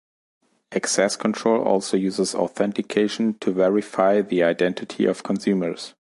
Access control also uses authentication to verify the identity of consumers.